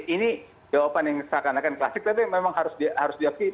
ini jawaban yang seakan akan klasik tapi memang harus diaktifkan